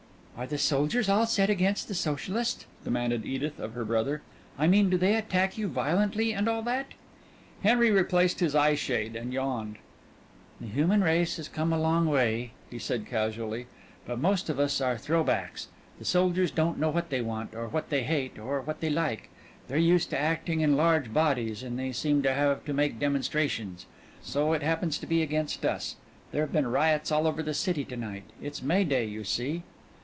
"Are the soldiers all set against the Socialists?" demanded Edith of her brother. "I mean do they attack you violently and all that?" Henry replaced his eye shade and yawned. "The human race has come a long way," he said casually, "but most of us are throw backs; the soldiers don't know what they want, or what they hate, or what they like. They're used to acting in large bodies, and they seem to have to make demonstrations. So it happens to be against us. There've been riots all over the city to night. It's May Day, you see."